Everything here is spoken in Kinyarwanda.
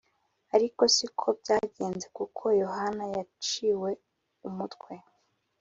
ariko si ko byagenze, kuko yohana yaciwe umutwe